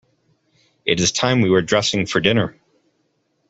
It is time we were dressing for dinner.